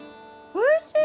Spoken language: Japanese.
おいしい！